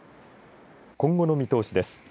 今後の見通しです。